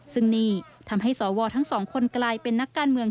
ซึ่งนี่ทำให้สวทั้งสองคนกลายเป็นนักการเมือง